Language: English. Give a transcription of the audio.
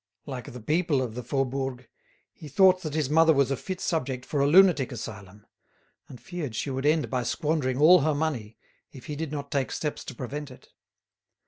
Like the people of the Faubourg, he thought that his mother was a fit subject for a lunatic asylum, and feared she would end by squandering all her money, if he did not take steps to prevent it.